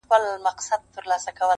د شپې له تورې پنجابيه سره دال وهي~